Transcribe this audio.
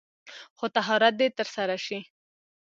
خو طهارت دې تر سره شي.